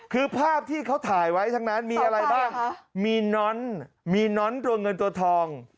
คือภาพที่เขาถ่ายไว้ทั้งนั้นมีอะไรบ้างมีน้อนมีน้อนตัวเงินตัวทอง